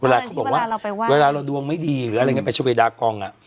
เวลาเราดวงไม่ดีหรืออะไรแบบนี้ประชาวิดากอง